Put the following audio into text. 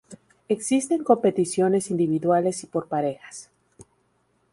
Existen competiciones individuales y por parejas.